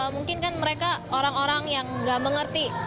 mungkin kan mereka orang orang yang nggak mengerti